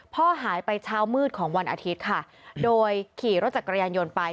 พ่อหายไปเช้ามืดของวันอาทิตย์ค่ะโดยขี่รถจักรยานยนต์ไป